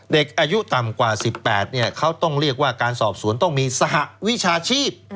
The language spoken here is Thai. เด็กอายุต่ำกว่า๑๘เขาต้องเรียกว่าการสอบสวนต้องมีสหวิชาชีพ